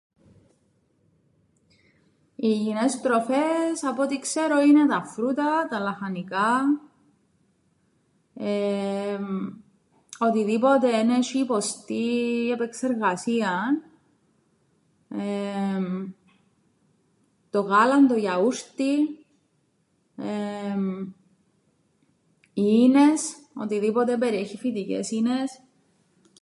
Οι υγιεινές τροφές απ' ό,τι ξέρω είναι τα φρούτα, τα λαχανικά, εεεμ οτιδήποτε εν έσ̆ει υποστεί επεργασίαν, εεεμ το γάλαν το γιαούρτιν, εεεμ οι ίνες, οτιδήποτε περιέχει φυτικές ίνες.